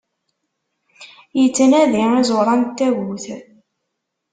Ittnadi iẓuran n tagut!